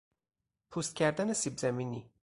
پوست کردن سیب زمینی